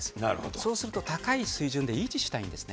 そうすると高い水準で維持したいんですね。